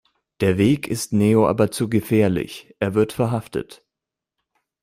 Der Weg ist Neo aber zu gefährlich; er wird verhaftet.